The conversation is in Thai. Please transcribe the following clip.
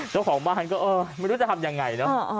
เจ้าของบ้านก็ไม่รู้จะทำอย่างไร